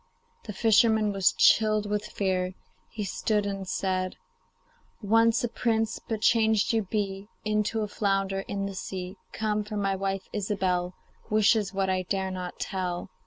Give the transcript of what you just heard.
The fisherman was chilled with fear. He stood and said: 'Once a prince, but changed you be Into a flounder in the sea. Come! for my wife, Ilsebel, Wishes what I dare not tell.